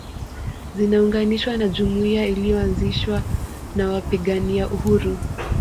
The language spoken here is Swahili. Zinaunganishwa na jumuiya iliyoanzishwa na wapigania uhuru